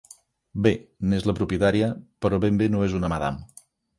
Bé, n'és la propietària, però ben bé no és una madam.